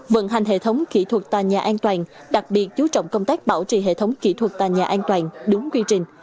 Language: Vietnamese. vận hành hệ thống kỹ thuật tòa nhà an toàn đặc biệt chú trọng công tác bảo trì hệ thống kỹ thuật tòa nhà an toàn đúng quy trình